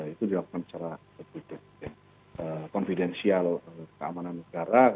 itu dilakukan secara konfidensial keamanan negara